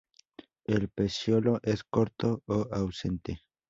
El peciolo es corto o ausente.